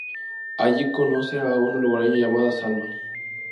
Allí conoce a una lugareña llamada Salma.